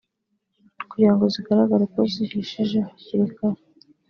kugira ngo zigaragare ko zihishije hakiri kare